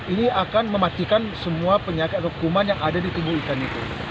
ini akan mematikan semua penyakit atau kuman yang ada di tubuh ikan itu